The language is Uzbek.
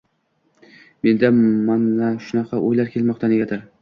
menda mana shunaqa o‘ylar kelmoqda negadir.